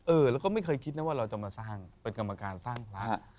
เออแล้วก็ไม่เคยคิดนะว่าเราจะมาสร้างเป็นกรรมการสร้างพระ